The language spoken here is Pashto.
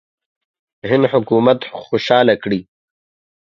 هند حکومت خوشاله کړي.